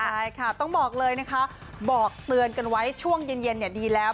ใช่ค่ะต้องบอกเลยนะคะบอกเตือนกันไว้ช่วงเย็นดีแล้ว